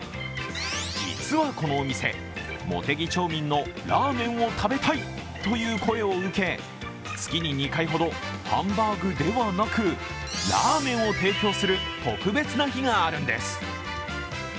実はこのお店、茂木町民のラーメンを食べたいという声を受け月に２回ほど、ハンバーグではなくラーメンを提供する特別な日があるんです。